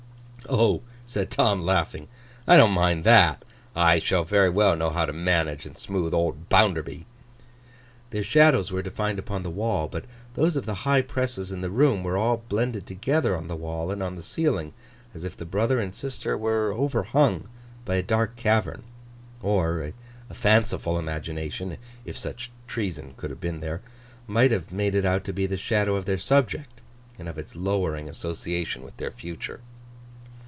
'Oh!' said Tom, laughing; 'I don't mind that. I shall very well know how to manage and smooth old Bounderby!' Their shadows were defined upon the wall, but those of the high presses in the room were all blended together on the wall and on the ceiling, as if the brother and sister were overhung by a dark cavern. Or, a fanciful imagination—if such treason could have been there—might have made it out to be the shadow of their subject, and of its lowering association with their future.